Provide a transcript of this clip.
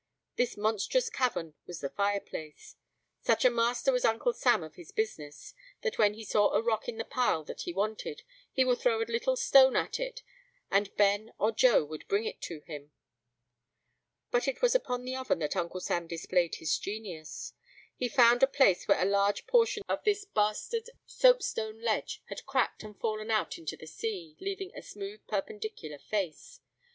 This monstrous cavern was the fireplace. Such a master was Uncle Sam of his business, that when he saw a rock in the pile that he wanted, he would throw a little stone at it, and Ben or Joe would bring it to him. But it was upon the oven that Uncle Sam displayed his genius. He found a place where a large portion of this bastard soapstone ledge had cracked and fallen out into the sea, leaving a smooth perpendicular face.